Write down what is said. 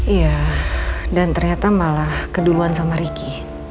iya dan ternyata malah keduluan sama ricky